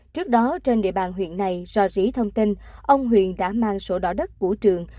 trước đó trên địa bàn huyện này do rỉ thông tin ông huyền đã mang sổ đỏ đất của trường